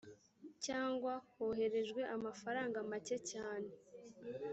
cyangwa hoherejwe amafaranga make cyane